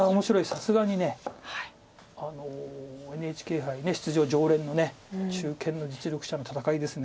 さすがにＮＨＫ杯出場常連の中堅の実力者の戦いです。